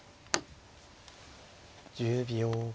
１０秒。